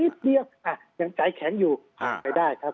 นิดเดียวอ่ะยังจ่ายแข็งอยู่อ่ะ